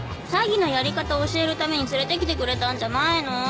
詐欺のやり方教えるために連れてきてくれたんじゃないの？